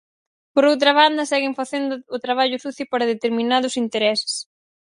Por outra banda, seguen facendo o traballo sucio para determinados intereses.